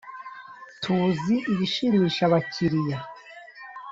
tuzi ibishimisha abakiriya